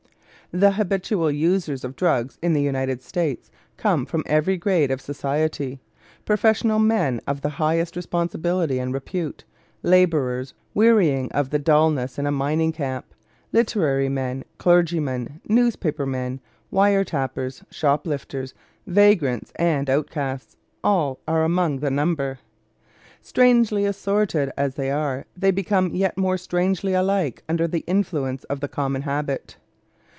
The habitual users of drugs in the United States come from every grade of society. Professional men of the highest responsibility and repute, laborers wearying of the dullness in a mining camp, literary men, clergymen, newspaper men, wire tappers, shoplifters, vagrants, and outcasts all are among the number. Strangely assorted as they are, they become yet more strangely alike under the influence of the common habit.